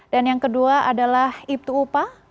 dan yang kedua adalah ibtu upa